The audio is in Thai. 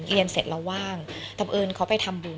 เรียนเสร็จเราว่างบังเอิญเขาไปทำบุญ